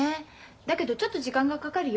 だけどちょっと時間がかかるよ。